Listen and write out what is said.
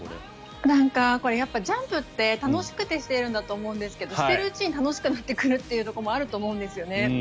なんか、ジャンプって楽しくてしているんだと思うんですけどしているうちに楽しくなっているところもあると思うんですよね。